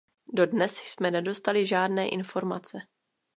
Dodnes jsme nedostali žádné informace.